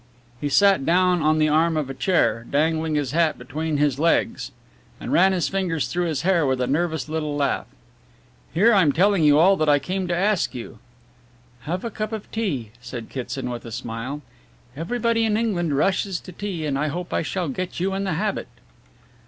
He sat down on the arm of a couch, dangling his hat between his legs, and ran his fingers through his hair with a nervous little laugh. "Here I'm telling you all that I came to ask you." "Have a cup of tea," said Kitson, with a smile, "everybody in England rushes to tea and I hope I shall get you in the habit."